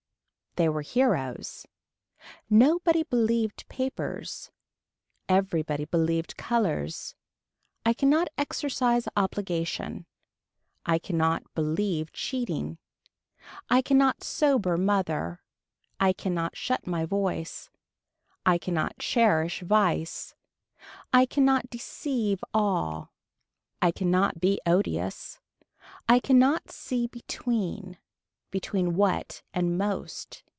They were heroes. Nobody believed papers. Everybody believed colors. I cannot exercise obligation. I cannot believe cheating. I cannot sober mother. I cannot shut my heart. I cannot cherish vice. I cannot deceive all. I cannot be odious. I cannot see between. Between what and most.